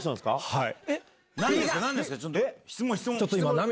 はい？